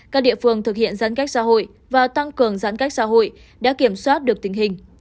các địa phương thực hiện giãn cách xã hội và tăng cường giãn cách xã hội đã kiểm soát được tình hình